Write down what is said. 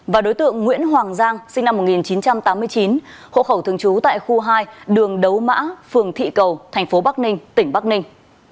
và đối tượng nguyễn hoàng giang sinh năm một nghìn chín trăm tám mươi chín hộ khẩu thường trú tại khu hai đường đấu mã phường thị cầu thành phố bắc ninh tỉnh bắc ninh